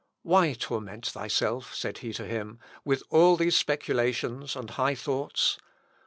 "Why torment thyself," said he to him, "with all these speculations and high thoughts?